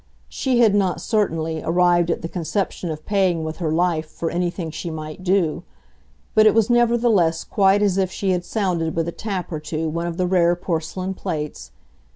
She had not, certainly, arrived at the conception of paying with her life for anything she might do; but it was nevertheless quite as if she had sounded with a tap or two one of the rare porcelain plates.